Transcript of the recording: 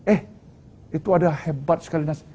eh itu adalah hebat sekali nas